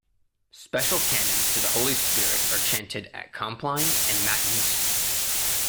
Special canons to the Holy Spirit are chanted at Compline and Matins.